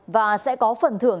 và sẽ có phần thưởng